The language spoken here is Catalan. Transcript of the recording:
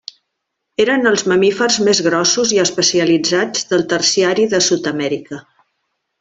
Eren els mamífers més grossos i especialitzats del Terciari de Sud-amèrica.